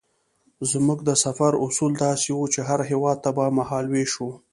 زموږ د سفر اصول داسې وو چې هر هېواد ته به مهال وېش وو.